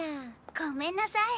ごめんなさい。